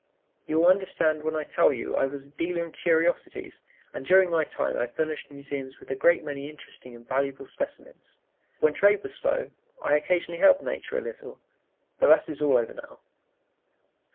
"You will understand when I tell you I was a dealer in curiosities, and during my time I furnished museums with a great many interesting and valuable specimens; when trade was slow, I occasionally helped nature a little, but that is all over now."